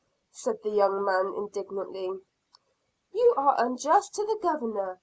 said the young man indignantly. "You are unjust to the Governor.